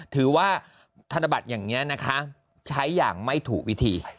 ถือว่าธนบัตรอย่างนี้นะคะใช้อย่างไม่ถูกวิธี